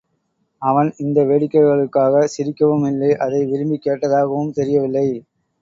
அவன் இந்த வேடிக்கைகளுக்காகச் சிரிக்கவும் இல்லை அதை விரும்பிக் கேட்டதாகவும் தெரியவில்லை.